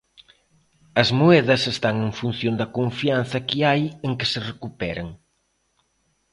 As moedas están en función da confianza que hai en que se recuperen.